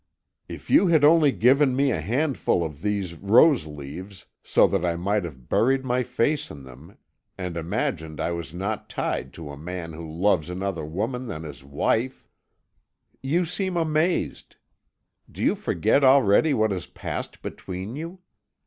"If you had only given me a handful of these roseleaves so that I might have buried my face in them and imagined I was not tied to a man who loves another woman than his wife! You seem amazed. Do you forget already what has passed between you?